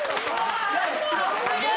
すげえ！